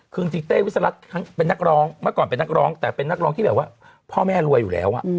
คือจริงเต้วิสรัฐเป็นนักร้องเมื่อก่อนเป็นนักร้องแต่เป็นนักร้องที่แบบว่าพ่อแม่รวยอยู่แล้ว